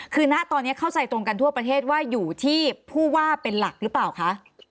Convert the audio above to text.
คือณตอนนี้เข้าใจตรงกันทั่วประเทศว่าอยู่ที่ผู้ว่าเป็นหลักหรือเปล่าคะ